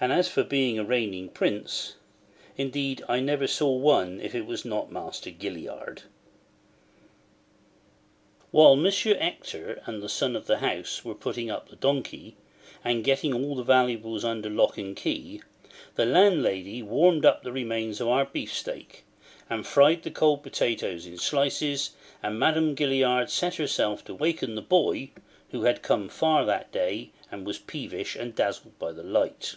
And as for being a reigning prince—indeed I never saw one if it was not Master Gilliard! While M. Hector and the son of the house were putting up the donkey, and getting all the valuables under lock and key, the landlady warmed up the remains of our beefsteak, and fried the cold potatoes in slices, and Madame Gilliard set herself to waken the boy, who had come far that day, and was peevish and dazzled by the light.